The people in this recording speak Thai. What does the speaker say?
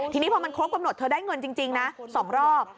ทีนี้พอมันครบกำหนดเธอได้เงินจริงนะ๒รอบ